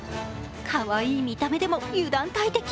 かわいい見た目でも油断大敵。